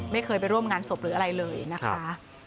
ไปร่วมงานศพหรืออะไรเลยนะคะ